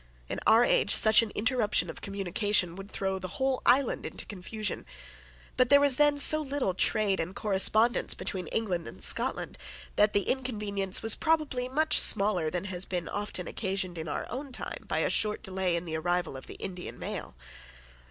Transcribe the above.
In our age such an interruption of communication would throw the whole island into confusion: but there was then so little trade and correspondence between England and Scotland that the inconvenience was probably much smaller than has been often occasioned in our own time by a short delay in the arrival of the Indian mail.